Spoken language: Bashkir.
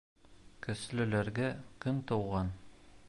Көслөләргә көн тыуған